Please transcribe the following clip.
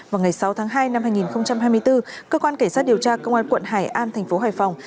vào ngày sáu tháng hai năm hai nghìn hai mươi bốn cơ quan cảnh sát điều tra công an quận hải an thành phố hải phòng